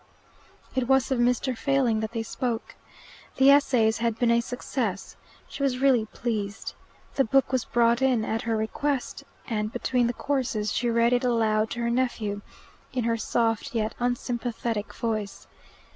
It was of Mr. Failing that they spoke. The Essays had been a success. She was really pleased. The book was brought in at her request, and between the courses she read it aloud to her nephew, in her soft yet unsympathetic voice.